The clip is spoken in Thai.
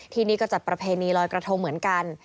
ที่นี่ก็จัดประเพณีลอยกระทงเหมือนกัน